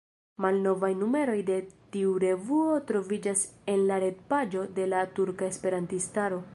Malnovaj numeroj de tiu revuo troviĝas en la ret-paĝo de la turka esperantistaro.